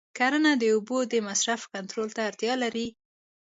کرنه د اوبو د مصرف کنټرول ته اړتیا لري.